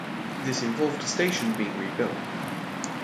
This involved the station being rebuilt.